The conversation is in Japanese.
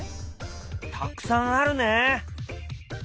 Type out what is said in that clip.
たくさんあるね。